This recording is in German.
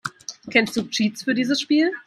Kennst du Cheats für dieses Spiel?